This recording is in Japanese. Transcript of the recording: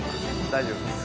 大丈夫です。